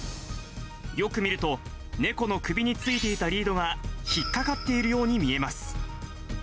よく見ると、猫の首についていたリードが引っ掛かっているように見えます。